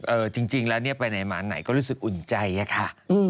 จริงแล้วเนี่ยไปไหนมาไหนก็รู้สึกอุ่นใจอะค่ะ